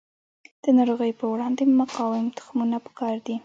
د ناروغیو په وړاندې مقاوم تخمونه پکار دي.